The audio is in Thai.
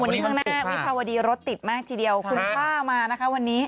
วันนี้ข้างหน้าวิภาวดีรถติดมากทีเดียวคุณผ้ามานะคะวันนี้